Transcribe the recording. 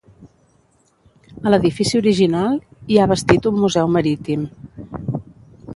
A l'edifici original hi ha bastit un museu marítim.